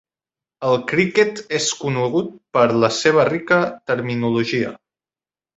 El criquet és conegut per la seva rica terminologia.